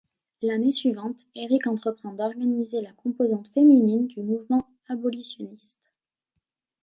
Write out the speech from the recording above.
L’année suivante, Heyrick entreprend d’organiser la composante féminine du mouvement abolitionniste.